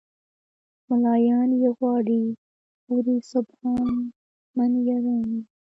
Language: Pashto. "ملایان یې غواړي خوري سبحان من یرانی".